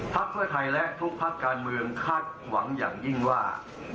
ภักดิ์เพื่อไทยและทุกภักดิ์การเมืองคาดหวังอย่างยิ่งว่า